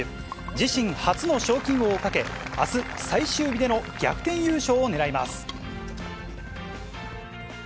自身初の賞金王をかけ、あす、最終日での逆転優勝を狙います。